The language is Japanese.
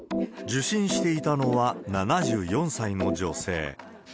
受診していたのは、７４歳の女性。